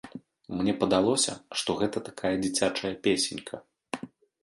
Мне падалося, што гэта такая дзіцячая песенька.